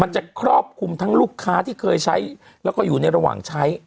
จะครอบคลุมทั้งลูกค้าที่เคยใช้แล้วก็อยู่ในระหว่างใช้